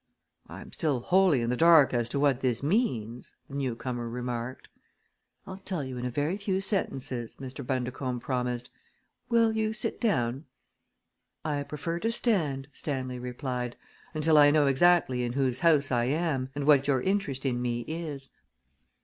"I am still wholly in the dark as to what this means!" the newcomer remarked. "I'll tell you in a very few sentences," Mr. Bundercombe promised. "Will you sit down?" "I prefer to stand," Stanley replied, "until I know exactly in whose house I am and what your interest in me is."